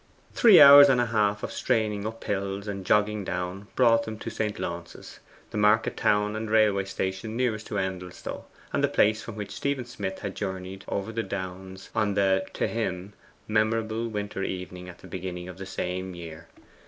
Three hours and a half of straining up hills and jogging down brought them to St. Launce's, the market town and railway station nearest to Endelstow, and the place from which Stephen Smith had journeyed over the downs on the, to him, memorable winter evening at the beginning of the same year.